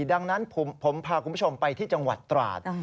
ดังนั้นผมพาคุณผู้ชมไปที่จังหวัดตราด